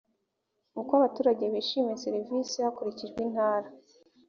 uko abaturage bishimiye serivisi z’uburezi hakurikijwe intara